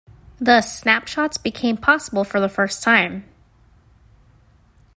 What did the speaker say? Thus, snapshots became possible for the first time.